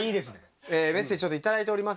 メッセージいただいております。